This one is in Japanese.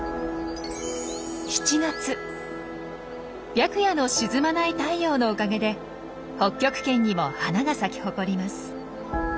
白夜の沈まない太陽のおかげで北極圏にも花が咲き誇ります。